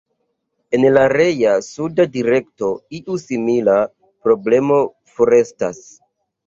En la rea, suda direkto iu simila problemo forestas.